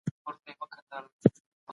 د طب، کرنې او انجینرۍ پوهنځي پکې شته.